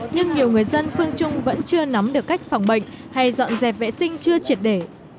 nhưng nhiều người dân phương trung vẫn chưa nắm được cách phòng bệnh hay dọn dẹp vệ sinh chưa triệt để